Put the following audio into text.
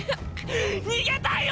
逃げたいよ